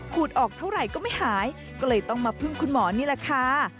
ออกเท่าไหร่ก็ไม่หายก็เลยต้องมาพึ่งคุณหมอนี่แหละค่ะ